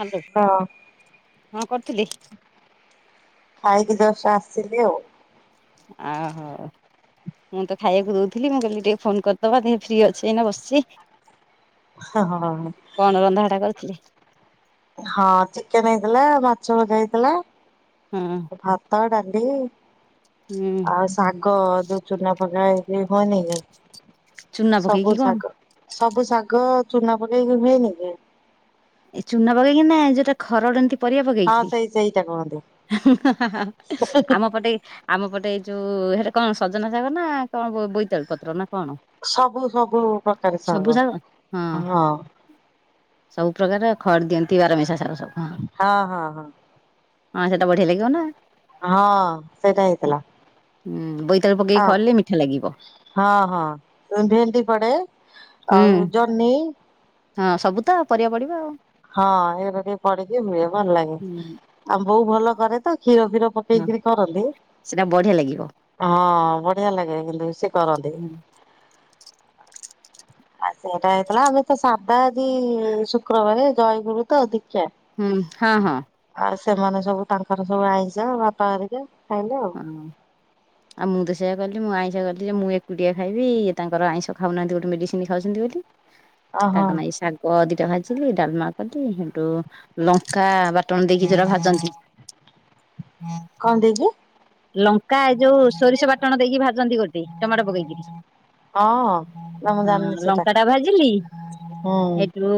Hello ହଁ ହଁ କରିଥିଲି। ଖାଇକି ଜଷ୍ଟ୍ ଆସିଲି ଆଉ। ଆ ହୋ। ମୁଁ ତ ଖାଇବାକୁ ଦଉଥିଲି ମୁଁ କଇଲି ଟିକେ ଫୋନ କରିଦବା ଦେଖେ ଫ୍ରି ଅଛି ଏଇନା ବସଚି? ହଁ କଣ ରନ୍ଧାବଡ଼ା କରିଥିଲି? ହଁ ଚିକେନ୍ ହେଇଥିଲା ମାଛ ଭଜା ହେଇଥିଲା ହଁ ଭାତ ଡାଲି ଇ ହୁଁ ଆଉ ସାାଗ ଯଉ ଚୁନା ପକା ହେଇ ହୁଏନିକି ଚୁନା ପକେଇକି କଣ? ସବୁ ଶାଗ ଚୁନା ପକେଇକି ହୁଏନି କି? ଏ ଚୁନା ପକେଇକି ନା ଯୋଉଟା ଖରଡନ୍ତି ପରିବା ହଁ ପକେଇକିରି ସେଇ ସେଇଟା କୁହନ୍ତି। ହୁଁ ହା ହା-ଆମ ପଟେ ଆମ ପଟେ ଯୋଉ ସେଟା କଣ ସଜନା ଶାଗ ନାଁ କଣ ବୋଇତାଳୁ ପତ୍ର ନା କଣ ସବୁ ସବୁ ପ୍ରକାରରେ ସବୁ ଶାଗ ହଁ ହଁଅ। ସବୁ ପ୍ରକାର ଖରଡ୍ ଦିଅନ୍ତି ବାର ମିଶା ସାଗ ସବୁ ହଁ। ହଁ ହଁ। ହଁ ସେଟା ବଢିଆ ଲାଗିବ ନାଁ। ହଁଅ ସେଇଟା ହେଇଥିଲା। ହୁଁ ବୋ ଅଁ ହଁ ହଁ ଭେଣ୍ଡି ପଡେ ହୁଁ ଆଉ ଜହ୍ନିଇ ହଁ ସବୁ ତ ପରିବା ପଡିବ ଆଉ। ହଁ ଏଗରା ଟିକେ ପଢିକି ହୁଏ ଭଲ ଲାଗେ ହୁଁ ଆଉ ବୋଉ ଭଲ କରେ ତ କ୍ଷୀର ଫିର ହଁ ପକେଇକିରି କରନ୍ତି ସେଟା ବଢିଆ ଲାଗିବ ହଁ ବଢିଆ ଲାଗେ କିନ୍ତୁ ସେ କରନ୍ତି। ହୁଁ ଆ ସେଇଟା ହେଇଥିଲା ଆମେ ତ ସାଧା ଆଜିଇ ଶୁକ୍ରବାରେ ଜୟଗୁରୁ ତ ଦୀକ୍ଷା। ହୁଁ ହଁ ହଁ। ଆଉ ସେମାନେ ସବୁ ତାଙ୍କର ସବୁ ଆଇଁଷ ବାପାଘରିକା ହଁ ଆ ମୁଁ ତ ସେଇଆ କଲି ମୁଁ ଆଇଁଷ କଲି ଯେ ମୁଁ ଏକୁଟିଆ ଖାଇବି ଇଏ ତାଙ୍କର ଆଇଁଷ ଖାଉନାହାନ୍ତି ଗୋଟେ ମେଡିସିନ ଖାଉଛନ୍ତି ବୋଲି। ଓହୋ ତାଙ୍କ ନାହିଁ ଶାଗ ଦି କୀଟ ଭାଜିଲି ଡାଲମା କଲି ହେନ୍ତୁ ଲଙ୍କାଆ ବାଟଣ ଦେଇକି ଯୋଉରା ଭାଜନ୍ତି କଅଁ ଦେଇକି? ଲଙ୍କା ଏ ଯୋଉ ସୋରିଷ ବାଟଣ ଦେଇକି ଭାଜନ୍ତି ଗୋଟେ ଟମାଟୋ ହଁ ପକେଇକିରି ନା ମୁଁ ଜାଣିନି ହଁ ସେଟା ଲଙ୍କା ଟା ଭାଜିଲି ହୁଁ। ଏଇତୁ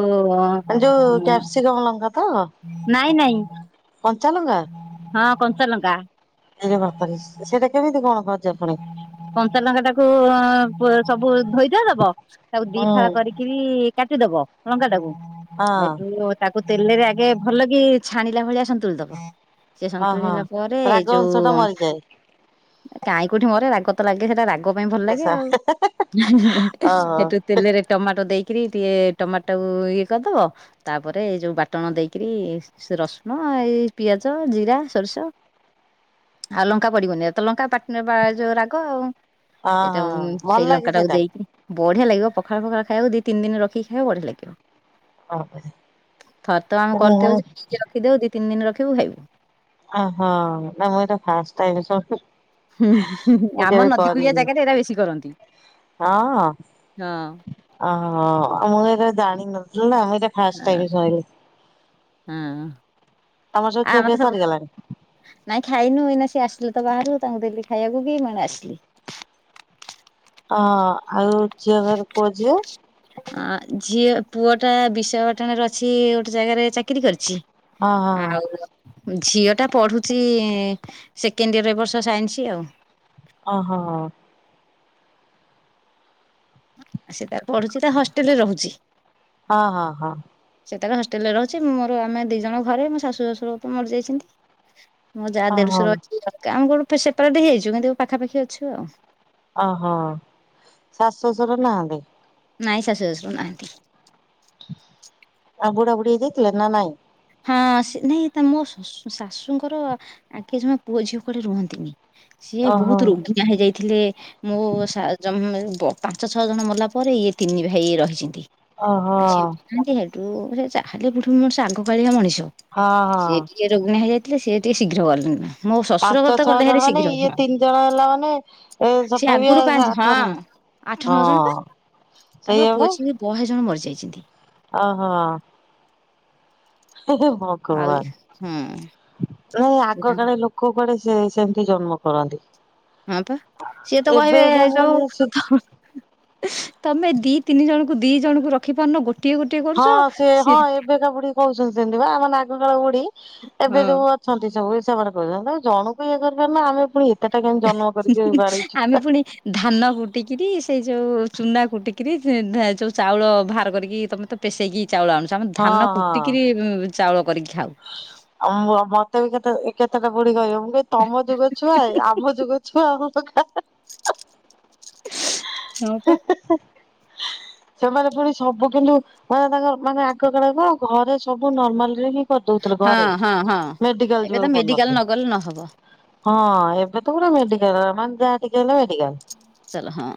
ଯୋଉ କ୍ୟାପ୍ସିକମ ନାଇଁ ନାଇଁ କଞ୍ଚାଲଙ୍କା? କଞ୍ଚଲଙ୍କା। ଆରେ ବାପାରେ ସେଇଟା କେମିତି କଣ କର କଞ୍ଚାଲଙ୍କା ଟାକୁ ସବୁ ଧୋଇଧୁଆ ଦବ ତାକୁ ଦି ହୁଁ ଫାଳ କରିକିରି କାଟିଦବ ଲଙ୍କାଟାକୁ ହଁ ହେଇଠୁ ତାକୁ ତେଲରେ ଆଗେ ଭଲ କି ଛାଣିଲା ଭଳିଆ ସନ୍ତୁଳି ଦବ। ସେ ହଁ ସନ୍ତୁଳି ହଁ। ହେଲା ପରେ ରାଗ ଅଂଶ ଟା ଯୋଉ ମରିଯାଏ କାଇଁ କୋଉଠି ମରେ ରାଗ ତ ଲାଗେ ସେଟା ରାଗ ରାଗ ପାଇଁ ଭଲ ଲାଗେ ଆଉ ଓହୋ ସେଠୁ ତେଲରେ ଟମାଟୋ ଦେଇ ରି ଟିକେ ଟମାଟୋ ଇଏ କରିଦେବ, ତାପରେ ଏ ଯୋଉ ବାଟଣ ଦେଇକରି ସେ ରସୁଣ ହଁ ଏଇ ପିଆଜ, ଜିରା, ସୋରିଷ ଆଉ ଲଙ୍କା ପଡିବନି ତ ଲଙ୍କା ପା ଯୋଉ ରାଗ ଆଉ ହଁ ସେଇଟା ହଁ ଭଲ ସେଇ ଲାଗେ ଲଙ୍କା ଟାକୁ ସେଇଟା। ଦେଇକି ବ ବଢିଆ ଲାଗିବ ପଖାଳ ଫଖାଳ ଖାଇଆକୁ ଦି ତିିନି ଦିନ ରଖି ଖାଇବାକୁ ବଢିଆ ଲାଗିବ। ଥରେ ତ ଆମେ ମୁଁ କରିଦେଉଛ ଫ୍ରିଜରେ ରଖିଦଉ ଦି ତିନି ଦିନ ରଖିବୁ ଖାଇବୁ। ଅ ହୋ ନା ମୁଁ ଏଇଟା ଫାର୍ଷ୍ଟ ଟାଇମ୍ ଶୁଣି ହୁଁ ଆମ ନଦୀ କୁଳିଆ ଜାଗାରେ ଏଇଟା ବେଶୀ କରନ୍ତି। ହଁ। ହଁ। ଅ ହ ମୁଁ ଏ ଜାଣିନଥିଲି ନା ମୁଁ ଏଇଟା ଫାଷ୍ଟ ଟାଇମ ଶୁଣିଲି। ହୁଁ। ତମର ଆ ଖିଆ ଆମ ପିଆ ତ ସବୁ ସରିଗଲାଣି? ନାଇଁ ଖାଇନୁ ଏଇନା ସିଏ ଆସି [unintelligible] ବାହାରିବ ତାଙ୍କୁ ଦେଲି ଖାଇବାକୁ କି ମୁଁ ଆସିଲି। ହଁ ଆଉ ଝିଅ ଘର ପୁଅ ଝିଅ। ଆ ଝିଅ ପୁଅଟା ବିଶଖାପାଟଣାରେ ଅଛି ଗୋଟେ ଜାଗାରେ ଚାକିରି କରିଛି। ହଁ ହଁ ଆଉ। ଝିଅ ଟା ପଢୁଛି ସେକେଣ୍ଡ ଇୟର ଏ ବର୍ଷ ସାଇନ୍ସ ଆଉ। ଓହୋ ଆ ସେ ତାର ପଢୁଛି ତା ହଷ୍ଟେଲରେ ରହୁଛି। ହଁ ହଁ ହଁ। ହଷ୍ଟେଲରେ ରହୁଛି ମୋର ଆମେ ଦିଇ ଜଣ ଘରେ ମୋ ଶାଶୁ ଶାଶୁର ତ ମରିଯାଇଛନ୍ତି। ମୋ ଯା ଓହୋ ଦେଢଶୁର ଅଛନ୍ତି [unintelligible] ଆମ କୋଠୁ ସେପାରେଟ ହେଇଯାଇଛୁ କିନ୍ତୁ ପାଖାପାଖି ଅଛୁ ଆଉ। ଓ ହୋ ଶାଶୁ ଶଶୁର ନାହାଁନ୍ତି। ନାଇଁ ଶାଶୁ ଶଶୁର ନାହାନ୍ତି। ବୁଢ଼ା ବୁଢ଼ୀ ହେଇଯାଇଥିଲେ ନା ନାଇଁ। ହଁ ସେ ନାଇଁ ତା ମୋ ଶ ଶାଶୁଙ୍କର ଆଗେ ଜମା ପୁଅ ଝିଅ କୁଆଡେ ରୁହନ୍ତିନି। ସିଏ ଓହୋ ବହୁତ ରୋଗିଣା ହେଇଯାଇଥିଲେ। ମୁଁ [unintelligible] ପାଞ୍ଚ ଛଅ ଜଣ ମଲା ପରେ ଇଏ ତିନି ଭାଇ ରହିଛନ୍ତି। [unintelligible] ଓହୋ ସେ ଆଗ କାଳିଆ ମଣିଷ। ହଁ ହଁ। ସିଏ ଟିକେ ରୋଗିଣା ହେଇଯାଇଥିଲେ ସିଏ ଟିକେ ଶୀଘ୍ର ଗଲେ। [unintelligible] ମୋ ଶ୍ୱଶୁର ପାଞ୍ଚ କଥା ଛଅ ଗଲେ ଜଣ ଭାରି ମାନେ ଶୀଘ୍ର ହଁ ଇଏ ତିନି ଜଣ ହେଲା ମାନେ ଏ ସେ ତଥାପି ଆଗରୁ ପାଞ୍ଚ ଆଠ ହଁ। ଆଠ ନଅ ଜଣ ପା ହଁ ତାଙ୍କର ପୁଅ ଝିଅ ବି ବହେ ଜଣ ମରିଯାଇ ଓ ହୋ। ନାଇଁ ଆଉ ଇଏ ହଁ ସେ ଆଗ ତାଙ୍କ କାଳେ ଲୋକ କୁଆଡେ ସେ ସେମିତି ଜନ୍ମ କରନ୍ତି। ହଁ ପା ସିଏ ତ ଏବେ କହିବେ ସବୁ ମାନେ ସେ ଯୋଉ ତମ ଦି ତିନି ଜଣଙ୍କୁ ଦି ଜଣଙ୍କୁ ରଖି ପାରୁନ ଗୋ ହଁ ସେ ହଁ ଏବେ କା ବୁଢ଼ୀ କହୁଛନ୍ତି ସେମତି ବା ଆମ ମାନେ ଆଗକାଳ ବୁଢ଼ୀ। ହଁ ଏବେ ଯୋଉ ଅଛନ୍ତି ସବୁ ହିସାବରେ କହିବେ ତମେ ଜଣକୁ ଇଏ କରିପାରୁନା ଆମେ ପୁଣି ଏତେଟା କେମିତି ଜନ୍ମ କରିକି ବାଡେଇଛୁ। ଆମେ ପୁଣି ଧାନ କୁଟିକିରି ସେଇ ଯୋଉ ଚୁନା କୁଟିକିରି ଯୋଉ ଚାଉଳ ବାହାର କରିକି ତମେ ତ ପେଶେଇକି ଚାଉଳ ଆଣୁଛ ଆମେ ହଁ ଧାନ ହଁ। କୁଟିକିରି ଚାଉଳ କରିକି ଖାଉ। କେତେ ବି କେତେ କେତେଟା ବୁଢ଼ୀ କହିବେ ମୁଁ କହିବି ତମ ଯୁଗ ଛୁଆ ଆମ ଯୁଗ ଛୁଆ ଆମ ହଁ ପା। ସେମାନେ ପୁଣି ସବୁ କିନ୍ତୁ ମାନେ ତାଙ୍କ ମାନେ ଆଗ କଳକୁ ଘରେ ସବୁ ନର୍ମାଲରେ ହିଁ କରିଦଉଥିଲେ ହଁ ଘରେ ହଁ ହଁ ମେଡିକାଲ ଏବେ ତ ଯିବାକୁ ମେଡିକାଲ ପଡୁନଥିଲା। ନଗଲେ ନହବ ହଁ ଏବେ ତ ପୁରା ମେଡିକାଲ ମାନେ ଯାହାକ ଟିକେ ହେଲେ ମେ ଚାଲ ହଁ।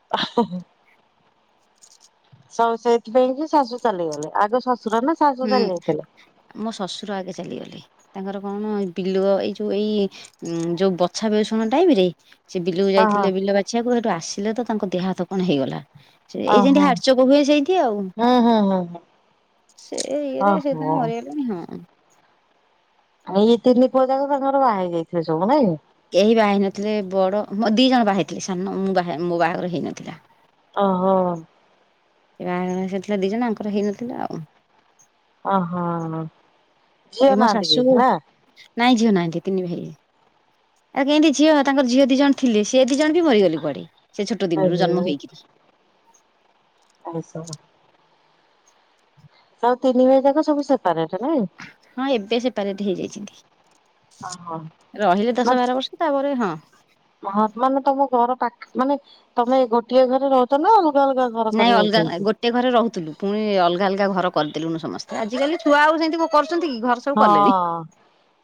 [unintelligible] ଶ ସେଥିପାଇଁ କି ଶାଶୁ ଚାଲିଗଲେ ଆଗ ଶାଶ ହୁଁ ମୋ ଶ୍ୱଶୁର ଆଗେ ଚାଲିଗଲି ତାଙ୍କର କଣ ବିଲ ଏଇ ଯୋଉ ଉଁ ଏଇ ଯୋଉ ବଛା ବେଷଣ ଟାଇମରେ ସେ ବିଲକୁ ହଁ ହଁ ଯାଇଥିଲେ ବିଲ ବାଛିବାକୁ ସେଇଠୁ ଆସିଲେ ତ ତାଙ୍କ ଦେହ ହାତ କଣ ହେଇଗଲା। ସେ ଏଇ ଓହୋ। ଯେମତି ହାରଚକ ହୁଏ ସେଇଠି ଆଉ। ହୁଁ ହୁଁ ହୁଁ ହୁଁ ସେ ଇଏ ରେ ଓହୋ ସେଇଦିନ ମରିଗଲେଣିି ହଁ। ଆଉ ଏଇ ତିନି ପ ଯାକ ସାଙ୍ଗର ବାହା ହେଇ ଯାଇଥିଲେ ସବୁ ନାଇଁ। କେହି ବା ହେଇ ନଥିଲେ ବଡ ମୋ ଦି ଜଣ ବାହି ଥିଲେ ସାନ ମୁଁ ବା ମୋ ବାହାଘର ହେଇନଥିଲା। ଓ ହୋ ସେ ବାହାଘ ସେଥିଲା ଦି ଜଣ ଆଙ୍କର ହେଇନଥିଲା ଆଉ। ଅ ହୋ। ଏ ମୋ ଶାଶୁ ନାଇଁ ଝିଅ ନାହାନ୍ତି ତିନି ଭାଇ। ଆଉ କେମିତି ଝିଅ ତାଙ୍କର ଝିଅ ଦି ଜଣ ଥିଲେ ସେଏ ଦି ଜଣ ବି ମରିଗଲି ବି କୁଆଡେ। ସେ ଛୋଟ ଦିନରୁ ଜନ୍ମ ହେଇକି [unintelligible] ଆଉ ତିନି ଭାଇ ଯାକ ସବୁ ସେପାରେଟ? ନାଇଁ? ହଁ ଏବେ ସେପାରଟ ହେଇଯାଇଛନ୍ତି। ଓହୋ ରହିଲେ ଦଶ ମାନେ ବାର ବର୍ଷ ତାପରେ ହଁ ହଁ ମାନେ ତମ ଘର ପାଖ ମାନେ ତମେ ଗୋଟିଏ ଘରେ ରହୁଛ ନା ଅଲଗା ଅଲଗା ଘର କରି ନାଇଁ ଅଲଗା ରହିଛନ୍ତି? ଗୋଟେ ଘରେ ରହୁଥିଲୁ ପୁଣି ଅଲଗା ଅଲଗା ଘର କରିଦେୁ ସମସ୍ତେ ଆଜିକାଲି ଛୁଆ ଆଉ ସେମତି କର ହଁ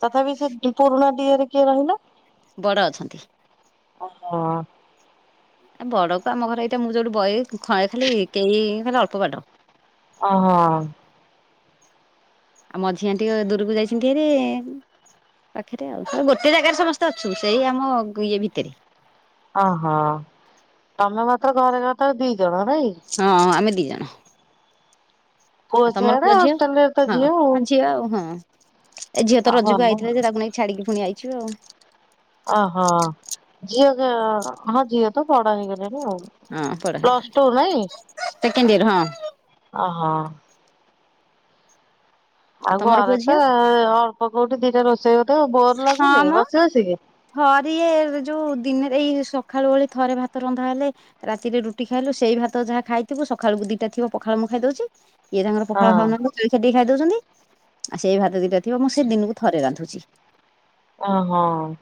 ତଥାପି ସେ ପୁରୁଣା ଡିଏରେ କିଏ ରହିଲେ? ବଡ ଅଛନ୍ତି। ହଁ। ଏ ବଡ କ ଆମ ଘରେ ଏଇଟା ମୁଁ ଯୋଉଠି ବହି ଖଏ ଖାଲି କେଇ ଖାଲି ଅଳ୍ପ ବାଟ। ଅ ହଁ। ଆଉ ମଝିଆ ଟିକେ ଦୂରକୁ ଯାଇଛନ୍ତି ହେରି। ପାଖରେ ଆଉ ଗୋଟେ ଜାଗାରେ ସମସ୍ତେ ଅଛୁ ସେଇ ଆମ ଇଏ ଭିତରେ। ଅହୋ ତମେ ମାତ୍ର ଘରେ ଘ ତ ଦି ଜଣ ନାଇଁ? ହଁ ଆମେ ଦିଜଣ। ପୁଅ ଆଉ ତମର ସିଆଡେ ପୁଅଝିଅ? ହଷ୍ଟେଲ ରେ ତ ଝିଅ ହଁ ଝିଅ ଆଉ ହଁ। ଏ ଝିଅ ତ ଆଉ ଆଉ ରଜକୁ ଭଲ ଆଇଥିଲେ ଯେ ତାକୁ ନେଇକ ଛାଡିକି ପୁଣି ଆଇଚୁ ଆଉ। ଓହୋ। ଝିଅ କେ ହଁ ଝିଅ ତ ବଡ଼ ହେଇଗଲେ। ହଁ ବଡ ପ୍ଲସ ହେଇଗଲାଣି ଟୁ ନାଇଁ ସେକେଣ୍ଡ ଇୟର ହଁ ଓହୋ। ଆଉ ତମର ଘରେ ପୁଅ ତ ଝିଅ ଅଳ୍ପ କୋଉଠି ଦିଟା ରୋଷେଇ ହଉଥିବ ବୋର ଲାଗୁନି ହଁମ, ବସି ବସିକି? ହରିଏ ଯୋଉ ଦିନେ ସେଇ ସକାଳୁ ଓଳି ଥରେ ଭାତରନ୍ଧା ହେଲେ ରାତିରେ ରୁଟି ଖାଇଲୁ ସେଇ ଭାତ ଯାହା ଖାଇଥିବୁ ସକାଳକୁ ଦିଟା ଥିବ ପଖାଳ ମୁଁ ଖାଇଦଉଛି। ଇଏ ତାଙ୍କର ପଖାଳ ହଁ ଖାଉନାହାନ୍ତି ଖେ ଖାଇ ଦଉଛନ୍ତି ଆଉ ସେଇ ଭାତ ଦିଟା ଥିବ ମୁଁ ସେ ଦିନକୁ ଥରେ ରାନ୍ଧୁଛି ଅ ହଁ।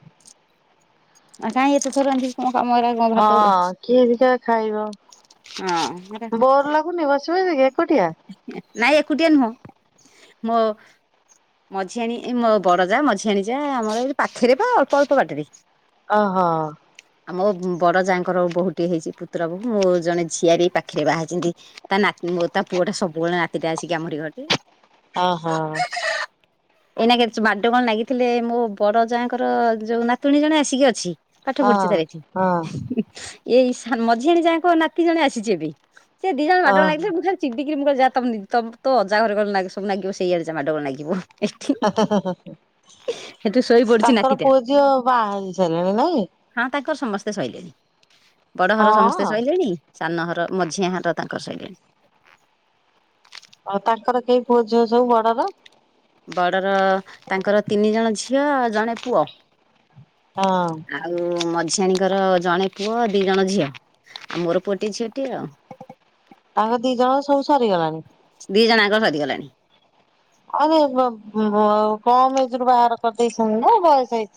ଆଉ କାଇଁ ଏତେ ଥର ରାନ୍ଧିକି କଣ କାମ ଏରା କଣ ଭାତ ଗୁରା ହଁ, କିଏ ଅବିକା ଖାଇବ। ହଁ ହେରା ବୋର ଲାଗୁନି ବସି ବସିକି ଏକୁଟିଆ। ନାଇଁ ଏକୁଟିଆ ନୁହଁ ମୋ ମଝିଆଣିୀ ମୋ ବଡ ଯା ମଝିଆଣିୀ ଯା ଆମର ଏ ପାଖରେ ବା ଅଳ୍ପ ଅଳ୍ପ ବାଟରେ। ଅ ହୋ। ମୋ ବଡ ଯାଆଙ୍କର ବୋହୂଟିଏ ହେଇଚି ପୁତୁରା ବହୁ ମୋର ଜଣେ ଝିଆରି ଏ ପାଖରେ ବାହାହେଇଚନ୍ତି ତା ନା ମୋ ତା ପୁଅ ଟା ସବୁବେଳେ ନାତିଟା ଆସିକି ଆମର ଘରଟି। ଓହୋ ଏଇନା କେ ବାଡ କଣ ଲାଗିଥିଲେ ମୋ ବଡ ଯାଙ୍କର ଯୋଉ ନାତୁଣୀ ଜଣେ ଆସିକି ଅଛି। ପାଠ ହଁ ପଢୁଚ ତାର ଏଠି। ହଁ ଏଇ ସାନ ମଝିଆଣୀ ଯାଙ୍କ ନାତି ଜଣେ ଆସିଚି ଏବେ। ସେ ଦି ଜଣ ମାଡଗୋଲ ଓହୋ। ଲାଗିଥିଲେ ମୁଁ ଖାଲି ଚି କିରି ମୁଁ ଯା ତମ୍ ତମ୍ ତୋ ଅଜା ଘରେ ଗଲେ ସବୁ ଲାଗିବ, ସେଇଆଡ଼ ଯା ମାଡଗୋଳ ଲାଗିବ। ହେଠୁ ଶୋଇ ପଡିଛି ତାଙ୍କର ନାତିଟା ପୁଅ ଝିଅ ବାହା ହେଇ ସାରି ଏଣେ ନାଇଁ? ହଁ ତାଙ୍କର ସମସ୍ତେ ସଇଲେଣି। ବଡ ଘର ସମସ୍ତେ ହଁ। ସଇଲେଣି ସାନ ଘର ମଝିଆ ଘର ତାଙ୍କର ସଇଲେଣି। ଆଉ ତାଙ୍କର କେହି ପୁଅ ଝିଅ ସବୁ ବଡର? ବଡ଼ର ତାଙ୍କର ତିନି ଜଣ ଝିଅ ଆ ଜଣେ ପୁଅ। ହଁ ଆଉ ମ ଝିଆଣୀଙ୍କର ଜଣେ ପୁଅ ଦି ଜଣ ଝିଅ। ଆଉ ମୋର ପୁଅଟିଏ ଝିଅଟିଏ ଆଉ। ତାଙ୍କ ଦିଜଣ ସବୁ ସରି ଗଲାଣି। ଦି ଜଣ ଆଙ୍କ ସରିଗଲାଣି। [unintelligible] କମ ଏଜ୍ ରୁ ବାହାଘର କରିଦେଇଛନ୍ତି ନା ବୟସ ହେଇ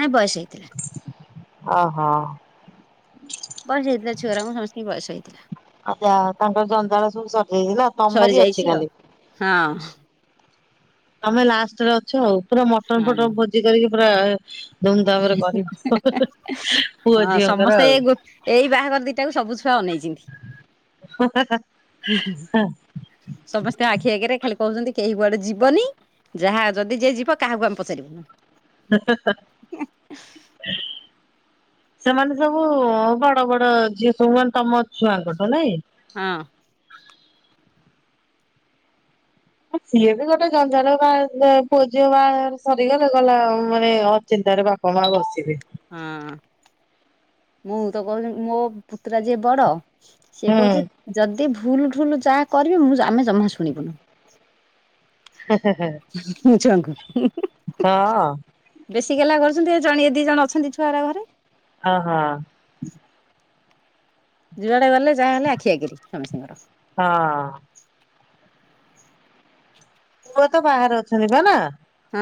ନାଇଁ ବୟସ ହେଇଥିଲା। ଓ ହୋ। ବୟଶ ହେଇଥିଲା ଛୁଆଗୁରାଙ୍କୁ ସମସ୍ତିଙ୍କି ବୟସ ହେଇଥିଲା। ଆଚ୍ଛା ତାଙ୍କର ଜଞ୍ଜାଳ ସବୁ ସରିଯାଇଚି ନା ସରି ତମରି ଅଛି ଯାଇଛି ଆଉ ଖାଲି। ହଁ ତମେ ଲାଷ୍ଟରେ ଅଛ ଆଉ ପୁରା ମଟନ ଫଟନ ହଁ ଭୋଜି କରିକି ପୁରା ଧୁମଧାମରେ କରିବ ପୁଅ ହଁ ଝିଅଙ୍କର ସମସ୍ତେ ଆଉ। ଗୋ ଏଇ ବାହାଘର ଦିଟାକୁ ସବୁ ଛୁଆ ସମସ୍ତେ ଆଖି ଆଗରେ ଖାଲି କହୁଚନ୍ତି କେହି କୁଆଡେ ଯିବନି ଯାହା ଯଦି ଯିଏ ଯିବ କାହାକୁ ଆମେ ପଚାରିବୁନୁ। [unintelligible] ସେମାନେ ସବୁ ବଡ ବଡ ଝିଅ ସବୁ ମାନେ ତମ ଛୁଆଙ୍କଠୁ ନାଇଁ? ହଁ। ସିଏ ବି ଗୋଟେ ଜଞ୍ଜାଲ ବା ପୁଅ ଝିଅ ବାହାଘର ସରିଲେ ଗଲା ମାନେ ଅଚୀନ୍ ତାର ବାପା ମା ବସିବେ। ହଁ ମୁଁ ତ କହୁଥିଲ ମୋ ପୁତୁରା ଯିଏ ବଡ ସେ ହୁଁ କହୁଚି ଯଦି ଭୁଲ ଢୁଲ ଯାହା କରିବି ମୁଁ ଆମେ ଜମା ଶୁଣିବୁନୁ। ମୁଁ ଚଙ୍ଗ। ହଁ ବେଶୀ ଗଲା କରୁଚନ୍ତି ଜଣି ଏ ଦି ଜଣ ଅଛନ୍ତି ଛୁଆ ଘରେ ହଁ ହଁ। ଯୁଆଡେ ଗଲେ ଯାହା ହେଲେ ଆଖିଆଗିରେ ସମସ୍ତଙ୍କର। ହଁ। ପୁଅ ତ ବାହାରେ ଅଛନ୍ତି ବା ନା।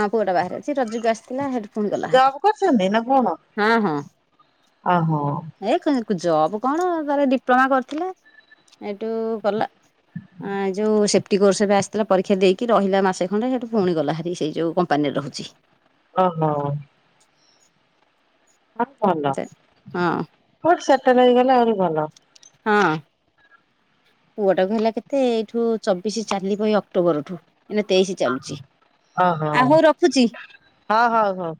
ହଁ ପୁଅଟା ବାହାରେ ଅଛି ରଜୁକୁ ଆସିଥିଲା ହେଟୁ ଫୁଣି ଗଲା ଭାରି ଜବ୍ ହଁ ହଁ। ଓ ହୋ। ଏ ଜବ୍ କଣ ତାର ଡିପ୍ଲୋମା କରିଥିଲା ଏଇଠୁ ଗଲା। ଆ ଯୋଉ ସେଫ୍ଟି କୋର୍ସ ବି ଆସିଥିଲା ପରୀକ୍ଷା ଦେଇକି ରହିଲା ମାସେ ଖଣ୍ଡେ ସେଠୁ ପୁଣି ଗଲା ହରି ସେଇ ଯେଉଁ କମ୍ପାନୀରେ ରହୁଚି। ଓ ହୋ। ଆଉ ଭଲ କେତେ ହଁ କ ସେଟଲ ହେଇଗଲେ ଆହୁରି ଭଲ। ହଁ। ପୁଅ ଟାକୁ ହେଲା କେତେ ଏଇଠୁ ଚବିଶି ଚାଲିବ ଏଇ ଅକ୍ଟୋବରଠୁ ଏଇନା ତେଇଶି ଚାଲୁଛି, ଓହୋ ଆଉ ହଉ ରଖୁଚି। ହଁ ହଉ ହଉ।